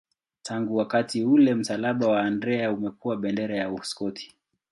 Tangu wakati ule msalaba wa Andrea umekuwa bendera ya Uskoti.